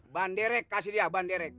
banderek kasih dia banderek